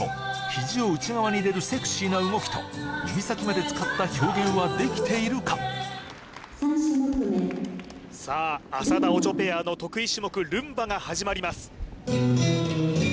肘を内側に入れるセクシーな動きと指先まで使った表現はできているか３種目目さあ浅田・オチョペアの得意種目ルンバが始まります